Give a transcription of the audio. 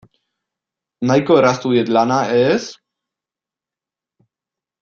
Nahiko erraztu diet lana, ez?